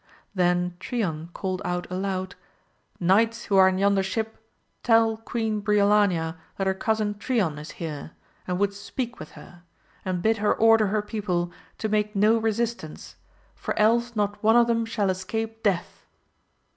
Then Trion cried out aloud, Knights who are in yonder ship, tell Queen Briolania that her cousin Trion is here, and would speak with her, and bid her order her people to make no resist ance,"for else not one of them shall escape death.